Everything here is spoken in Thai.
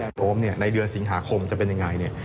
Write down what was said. แล้วก็แนวโรมเนี่ยในเดือนสิงหาคมจะเป็นยังไงเนี่ย